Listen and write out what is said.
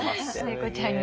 聖子ちゃんに。